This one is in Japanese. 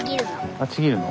あちぎるの？